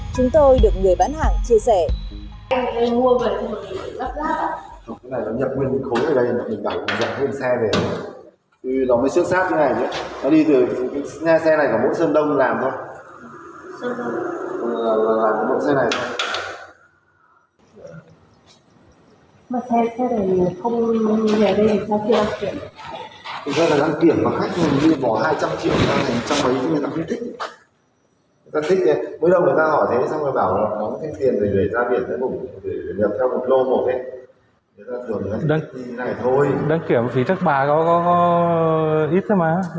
chúng tôi được người bán hàng chia sẻ